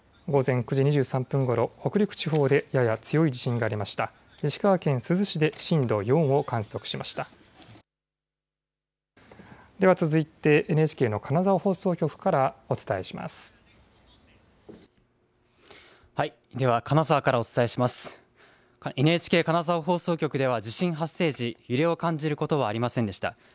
午前９時２３分ごろ北陸地方でやや強い地震がありました。